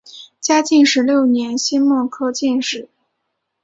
嘉庆十六年辛未科进士。